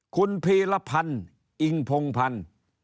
คุณพีรพันธ์อิงพงพันธ์